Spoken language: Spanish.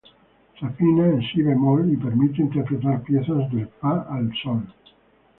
Se afina en si bemol y permite interpretar piezas del fa al sol.